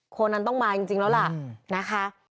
คนนั้นต้องมาจริงแล้วล่ะนะคะ